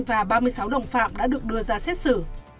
và ba mươi sáu đồng phạm đã được đưa ra xét xử